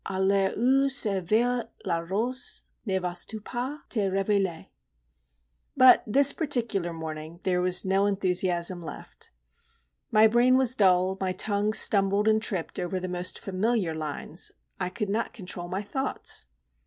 A l'heure où s'éveille la rose Ne vas tu pas te réveiller? But this particular morning there was no enthusiasm left. My brain was dull, my tongue stumbled and tripped over the most familiar lines, I could not control my thoughts.